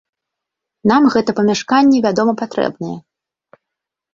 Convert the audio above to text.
Нам гэта памяшканне, вядома, патрэбнае.